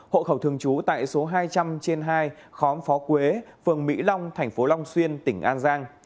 hộ khẩu thường trú tại số hai trăm linh trên hai khóm phó quế phường mỹ long thành phố long xuyên tỉnh an giang